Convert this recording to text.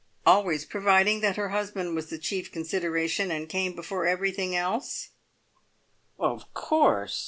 "Always providing that her husband was the chief consideration, and came before everything else?" "Of course!"